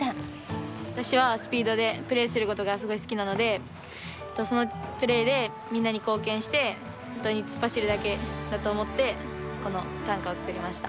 私はスピードでプレイすることがすごい好きなのでそのプレイでみんなに貢献して本当に突っ走るだけだと思ってこの短歌を作りました。